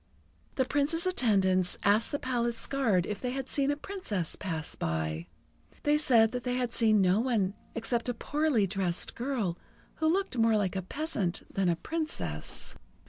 The Prince's attendants asked the palace guards if they had seen a Princess pass by. They said that they had seen no one except a poorly dressed girl, who looked more like a peasant than a Princess.